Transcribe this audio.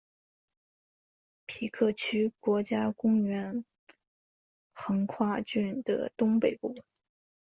皮克区国家公园横跨郡的东北部。